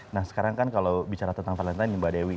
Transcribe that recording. nah sekarang kan kalau bicara tentang valentine nih mbak dewi